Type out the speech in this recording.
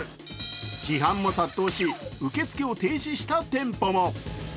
批判も殺到し、受け付けを停止した店舗も。